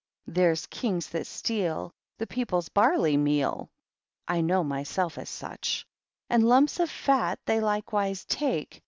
Therms Kings that steal The 'peoples barley Toeal {I know myself of such) ; And lumps of fat they likewise take.